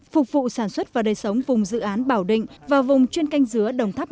phục vụ sản xuất và đời sống vùng dự án bảo định và vùng chuyên canh dứa đồng tháp một